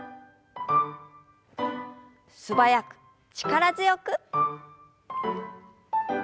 素早く力強く。